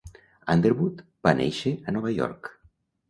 Underwood va néixer a Nova York.